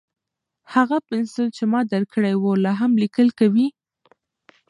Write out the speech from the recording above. هغه پنسل چې ما درکړی و، لا هم لیکل کوي؟